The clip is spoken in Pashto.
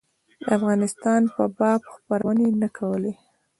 د افغانستان په باب خپرونې نه کولې.